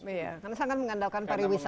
karena sangat mengandalkan pariwisata